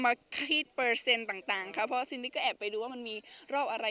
มาคีดเปอร์เซ็นต์ต่างครับเพราะซินดี้ก็แอบไปดูว่ามันมีรอบอะไร